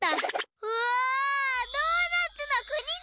うわドーナツのくにだ！